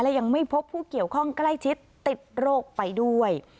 และยังไม่พบผู้เกี่ยวข้องใกล้ชิดติดโรคไปด้วย